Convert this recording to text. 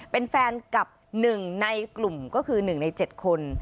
เป็นแฟนกับ๑ในกลุ่มก็คือ๑ใน๗คน